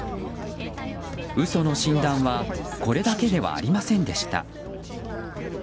嘘の診断はこれだけではありませんでした。